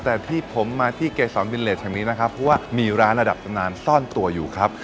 แต่ที่ผมมาที่เกษรบิลเลสแห่งนี้นะครับเพราะว่ามีร้านระดับตำนานซ่อนตัวอยู่ครับ